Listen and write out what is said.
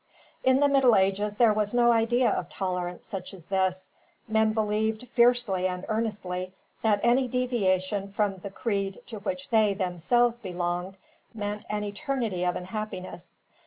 In the middle ages there was no idea of tolerance such as this. Men believed, fiercely and earnestly, that any deviation from the creed to which they, themselves, belonged meant an eternity of unhappiness.